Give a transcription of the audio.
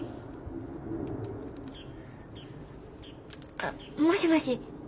あもしもし。